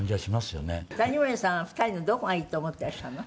黒柳：谷村さん、２人のどこがいいと思ってらっしゃるの？